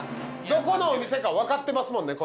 どこのお店かわかってますもんね